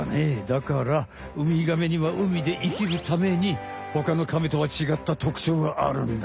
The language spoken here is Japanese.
だからウミガメには海で生きるために他のカメとは違った特徴があるんだよ。